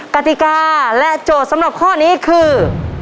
กติกาและโจทย์สำหรับข้อนี้คือ